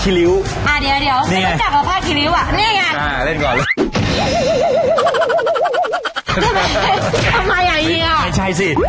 แต่ว่าอยู่ในส่วนเดียวกัน